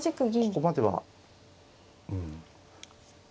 ここまではうん。